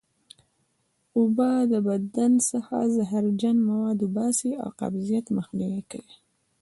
اوبه له بدن څخه زهرجن مواد وباسي او قبضیت مخنیوی کوي